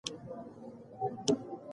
په ښه لاره که بده لاره.